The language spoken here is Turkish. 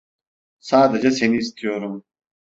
Sadece seni istiyorum.